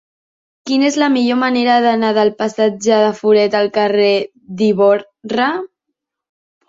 Quina és la millor manera d'anar del passatge de Foret al carrer d'Ivorra?